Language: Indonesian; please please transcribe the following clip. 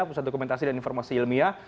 pusat dokumentasi dan informasi ilmiah